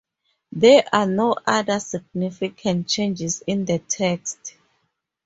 There are no other significant changes in the text.